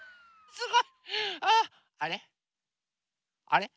あれ？